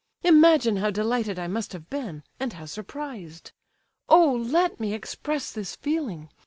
Imagine how delighted I must have been, and how surprised! Oh, let me express this feeling!